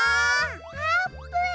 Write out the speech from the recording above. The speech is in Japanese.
あーぷん！